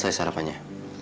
udah selesai sarapannya